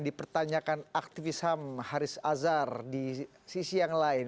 dipertanyakan aktivis ham haris azhar di sisi yang lain